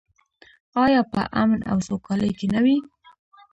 آیا په امن او سوکالۍ کې نه وي؟